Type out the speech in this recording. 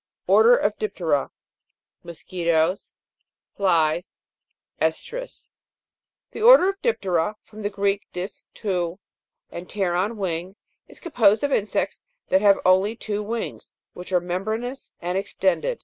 ORDER OF DIP'TERA. 13. The order of Dip'tera (from the Greek, dis, two, and pt.eron, wing) is composed of insects that have only two wings, which are membranous and extended (fig.